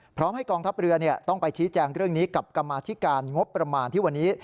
พร้อมให้กองทัพเรือต้องไปชี้แจงเรื่องนี้กับกรรมาธิการงบประมาณที่วันนี้